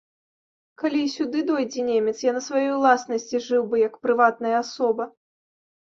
Калі і сюды дойдзе немец, я на сваёй уласнасці жыў бы, як прыватная асоба.